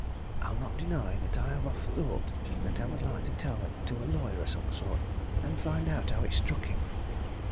I'll not deny that I have oft thought that I would like to tell it to a lawyer of some sort, and find out how it struck him."